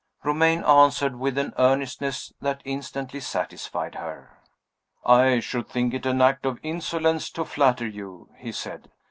Romayne answered with an earnestness that instantly satisfied her. "I should think it an act of insolence to flatter you," he said.